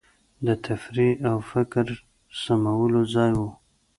د تفریح او فکر سمولو ځای وو.